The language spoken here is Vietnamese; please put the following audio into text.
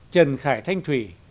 trần khải thanh thủy